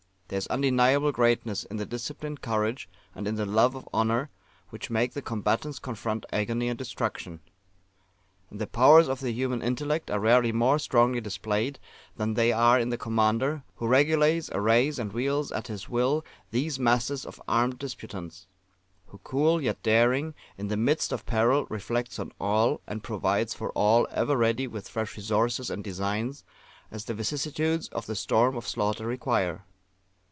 There is undeniable greatness in the disciplined courage, and in the love of honour, which make the combatants confront agony and destruction. And the powers of the human intellect are rarely more strongly displayed than they are in the Commander, who regulates, arrays, and wields at his will these masses of armed disputants; who, cool yet daring, in the midst of peril reflects on all, and provides for all, ever ready with fresh resources and designs, as the vicissitudes of the storm of slaughter require.